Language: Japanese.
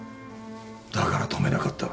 だから止めなかった。